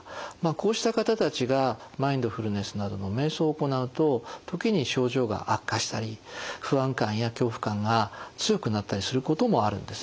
こうした方たちがマインドフルネスなどのめい想を行うと時に症状が悪化したり不安感や恐怖感が強くなったりすることもあるんですね。